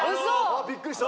びっくりした。